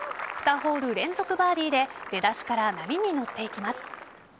２ホール連続バーディーで出だしから波に乗っていきます。